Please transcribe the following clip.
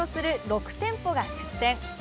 ６店舗が出店。